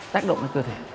tác động là cơ thể